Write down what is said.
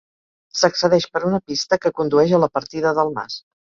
S'accedeix per una pista que condueix a la partida del Mas.